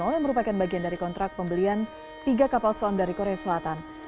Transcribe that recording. yang merupakan bagian dari kontrak pembelian tiga kapal selam dari korea selatan